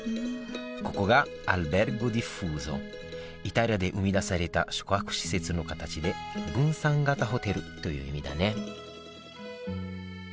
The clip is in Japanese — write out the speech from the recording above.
ここがイタリアで生み出された宿泊施設の形で「分散型ホテル」という意味だね